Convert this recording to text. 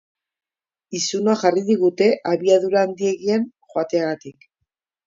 Izuna jarri digute abiadura handiegian joateagatik.